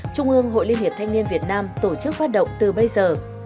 trung ương hội liên hiệp thanh niên việt nam tổ chức phát động từ bây giờ